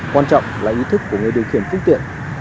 quan trọng là ý thức của người điều khiển phương tiện